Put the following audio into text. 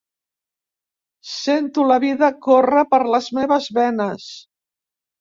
Sento la vida córrer per les meves venes.